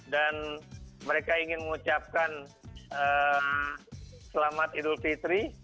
dan mereka ingin mengucapkan selamat idul fitri